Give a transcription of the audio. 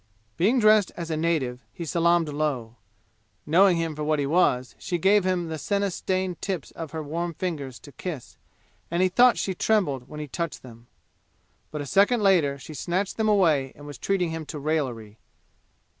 Being dressed as a native, he salaamed low. Knowing him for what he was, she gave him the senna stained tips of her warm fingers to kiss, and he thought she trembled when he touched them. But a second later she had snatched them away and was treating him to raillery.